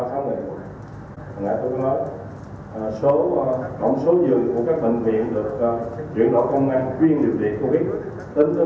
ngày hôm nay tôi mới nói tổng số dường của các bệnh viện được chuyển đổi công năng